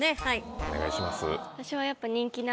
お願いします。